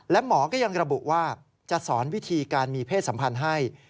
และหมอก็ยังระบุว่าจะสอนวิธีการมีเพศสัมพันธ์ให้